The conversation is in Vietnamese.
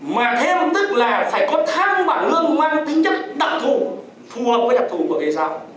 mà theo tức là phải có thang bảng lương mang tính chất đặc thù phù hợp với đặc thù của người sau